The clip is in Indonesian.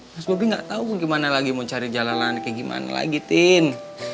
mas bobby gak tahu gimana lagi mau cari jalan lantai gimana lagi tin